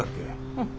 うん。